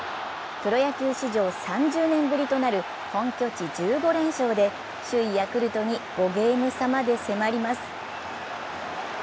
プロ野球史上３０年ぶりとなる本拠地１５連勝で首位ヤクルトに５ゲーム差まで迫ります。